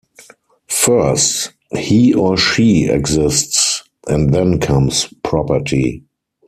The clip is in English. First, he or she exists, and then comes property.